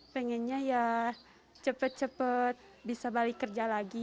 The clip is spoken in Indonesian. pengennya ya cepat cepat bisa balik kerja lagi